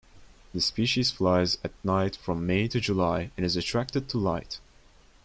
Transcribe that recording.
The species flies at night from May to July and is attracted to light.